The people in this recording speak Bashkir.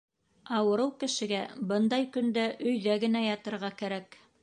Ауырыу кешегә бындай көндә өйҙә генә ятырға кәрәк.